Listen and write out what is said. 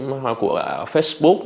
hoặc của facebook